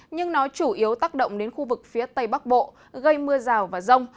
nhưng nó chủ yếu tác động đến khu vực phía tây bắc bộ gây mưa rào và rông